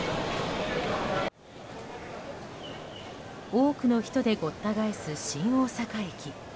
多くの人でごった返す新大阪駅。